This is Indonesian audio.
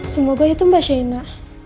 semoga itu mbak sienna